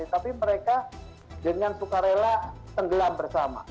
tapi mereka dengan suka rela tenggelam bersama